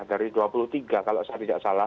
dari dua puluh tiga kalau saya tidak salah